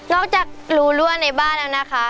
จากรูรั่วในบ้านแล้วนะคะ